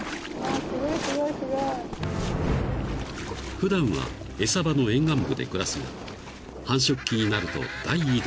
［普段は餌場の沿岸部で暮らすが繁殖期になると大移動］